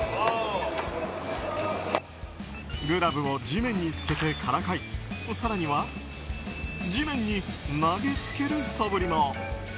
グラブを地面につけてからかい更には地面に投げつけるそぶりも。